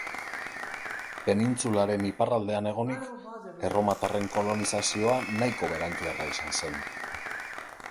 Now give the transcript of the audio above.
Penintsularen iparraldean egonik, erromatarren kolonizazioa nahiko berantiarra izan zen.